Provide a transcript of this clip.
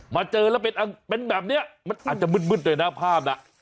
มาเจอแล้วเป็นแบบนี้มันอาจจะมืดด้วยนะภาพน่ะ